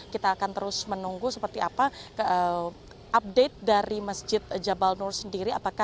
kita akan terus menunggu seperti apa update dari masjid jabal nur sendiri